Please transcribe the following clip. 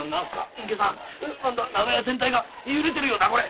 隠居さん何だ長屋全体が揺れてるよなこれ。